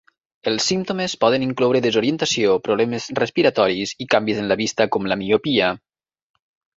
Els símptomes poden incloure desorientació, problemes respiratoris i canvis en la vista, com la miopia.